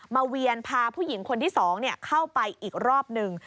เวียนพาผู้หญิงคนที่๒เข้าไปอีกรอบหนึ่ง